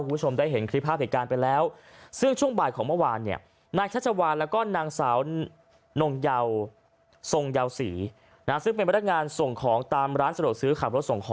คุณผู้ชมได้เห็นคลิปภาพเหตุการณ์ไปแล้ว